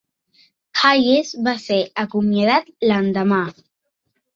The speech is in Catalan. Hayes va ser acomiadat l'endemà.